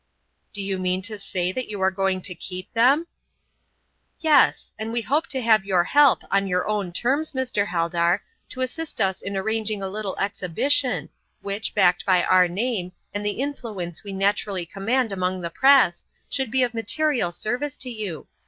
"Do you mean to say that you are going to keep them?" "Yes; and we hope to have your help, on your own terms, Mr. Heldar, to assist us in arranging a little exhibition, which, backed by our name and the influence we naturally command among the press, should be of material service to you.